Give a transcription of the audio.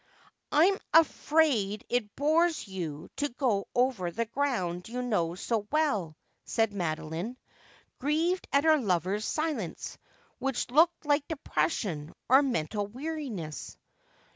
' I'm afraid it bores you to go over the ground you know so well,' said Madoline, grieved at her lover's silence, which looked like depression, or mental weariness.